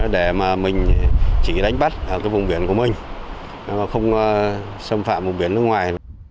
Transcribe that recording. để mình chỉ đánh bắt vùng biển của mình không xâm phạm vùng biển nước ngoài